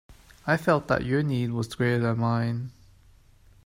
I felt that your need was greater than mine.